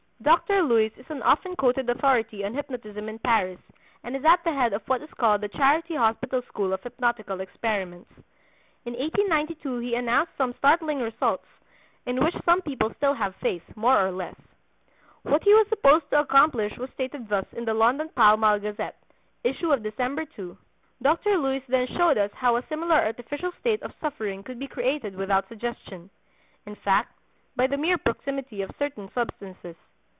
Dr. Luys is an often quoted authority on hypnotism in Paris, and is at the head of what is called the Charity Hospital school of hypnotical experiments. In 1892 he announced some startling results, in which some people still have faith (more or less). What he was supposed to accomplish was stated thus in the London Pall Mall Gazette, issue of December 2: "Dr. Luys then showed us how a similar artificial state of suffering could be created without suggestion—in fact, by the mere proximity of certain substances.